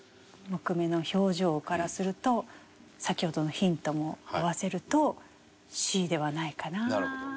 杢目の表情からすると先ほどのヒントも合わせるとＣではないかなと。